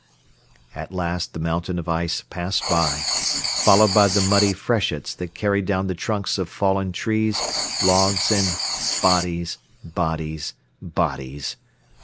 At last the mountain of ice passed by, followed by the muddy freshets that carried down the trunks of fallen trees, logs and bodies, bodies, bodies.